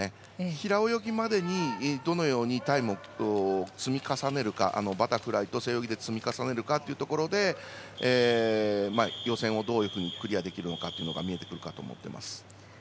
平泳ぎまでに、どのようにタイムを積み重ねるかバタフライと背泳ぎで積み重ねるかというところで予選をどういうふうにクリアできるのかが見えてくるかと思っています。